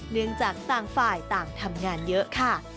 เนื่องจากต่างฝ่ายต่างทำงานเยอะค่ะ